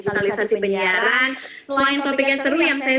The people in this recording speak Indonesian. kalau itu no comment pak ramli